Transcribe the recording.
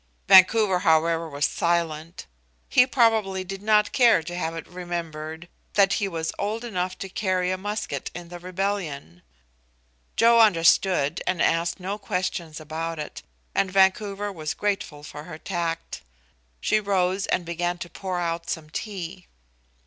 Vancouver, however, was silent. He probably did not care to have it remembered that he was old enough to carry a musket in the Rebellion. Joe understood and asked no Questions about it, and Vancouver was grateful for her tact. She rose and began to pour out some tea.